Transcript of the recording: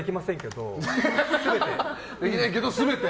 できないけど、全て。